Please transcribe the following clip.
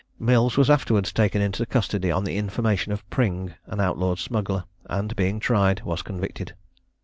Mills was afterwards taken into custody on the information of Pring, an outlawed smuggler, and being tried, was convicted.